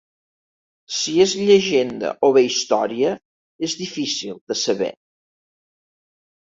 Si és llegenda o bé història, és difícil de saber.